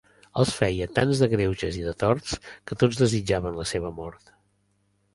Els feia tants de greuges i de torts que tots desitjaven la seva mort.